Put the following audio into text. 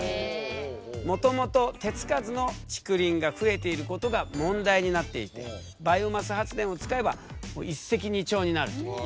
もともと手付かずの竹林が増えていることが問題になっていてバイオマス発電を使えばもう一石二鳥になるという。